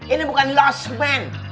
ini bukan lost man